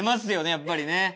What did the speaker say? やっぱりね。